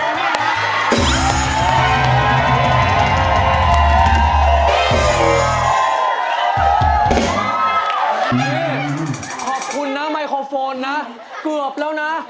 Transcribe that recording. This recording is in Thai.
นี่ขอบคุณนะไมโครโฟนนะเกือบแล้วนะ